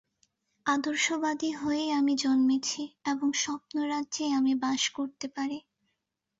আদর্শবাদী হয়েই আমি জন্মেছি এবং স্বপ্নরাজ্যেই আমি বাস করতে পারি।